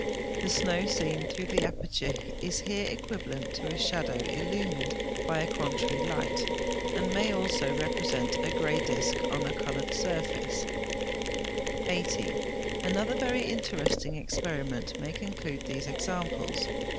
The snow seen through the aperture is here equivalent to a shadow illumined by a contrary light (76), and may also represent a grey disk on a coloured surface (56). 80. Another very interesting experiment may conclude these examples.